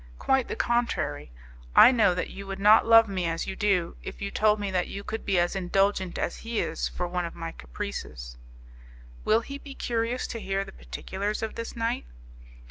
Quite the contrary; I know that you would not love me as you do, if you told me that you could be as indulgent as he is for one of my caprices." "Will he be curious to hear the particulars of this night?"